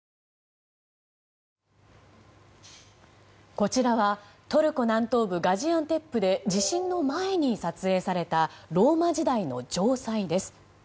こちらはトルコ南東部ガジアンテップで地震の前に撮影されたローマ時代の城塞です。